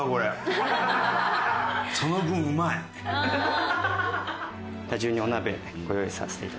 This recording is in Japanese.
その分うまい。